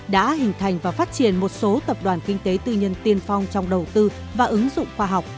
đã hình thành và phát triển một số tập đoàn kinh tế tư nhân tiên phong trong đầu tư và ứng dụng khoa học